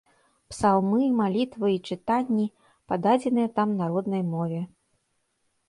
Псалмы, малітвы і чытанні пададзеныя там на роднай мове.